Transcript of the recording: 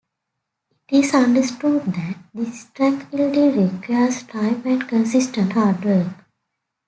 It is understood that this strength-building requires time and consistent hard work.